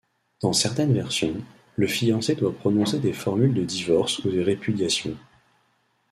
Dans certaines versions, le fiancé doit prononcer des formules de divorce ou de répudiation.